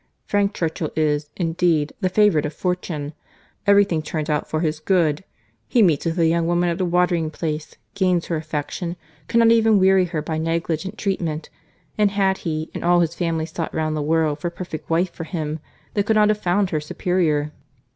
—Frank Churchill is, indeed, the favourite of fortune. Every thing turns out for his good.—He meets with a young woman at a watering place, gains her affection, cannot even weary her by negligent treatment—and had he and all his family sought round the world for a perfect wife for him, they could not have found her superior.